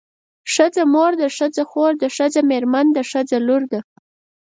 ښځه مور ده ښځه خور ده ښځه مېرمن ده ښځه لور ده.